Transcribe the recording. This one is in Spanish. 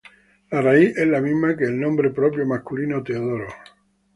La raíz es la misma que el nombre propio masculino Teodoro.